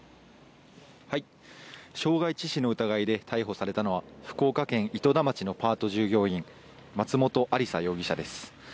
傷害致死の疑いで逮捕されたのは福岡県糸田町のパート従業員松本亜里沙容疑者です。